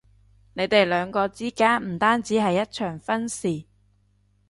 你哋兩個之間唔單止係一場婚事